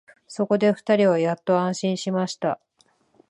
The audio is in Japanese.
そこで二人はやっと安心しました